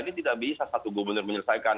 ini tidak bisa satu gubernur menyelesaikan